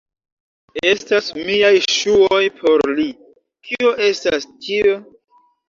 Estas miaj ŝuoj por li. Kio estas tio?